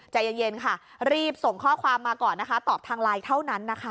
ใจเย็นค่ะรีบส่งข้อความมาก่อนนะคะตอบทางไลน์เท่านั้นนะคะ